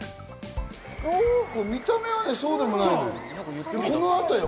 見た目はね、そうでもないのよ。